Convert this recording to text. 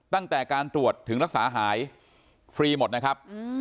ตั้งแต่การตรวจถึงรักษาหายฟรีหมดนะครับ